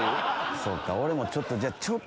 そうか俺も。